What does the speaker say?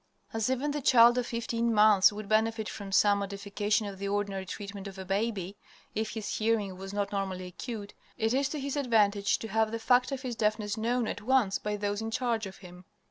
As even the child of fifteen months would benefit from some modifications of the ordinary treatment of a baby, if his hearing was not normally acute, it is to his advantage to have the fact of his deafness known at once by those in charge of him.